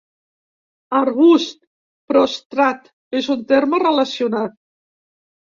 Arbust prostrat és un terme relacionat.